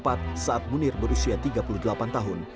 pada dua ribu empat saat munir berusia tiga puluh delapan tahun